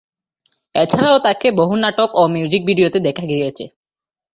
এছাড়াও তাকে বহু নাটক ও মিউজিক ভিডিওতে দেখা গিয়েছে।